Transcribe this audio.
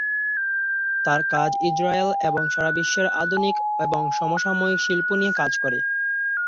তার কাজ ইজরায়েল এবং সারা বিশ্বের আধুনিক এবং সমসাময়িক শিল্প নিয়ে কাজ করে।